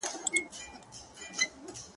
په غزل کي مي هر توری نا آرام سو -